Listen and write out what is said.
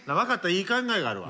いい考えがあるわ。